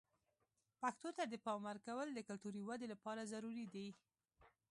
پښتو ته د پام ورکول د کلتوري ودې لپاره ضروري دي.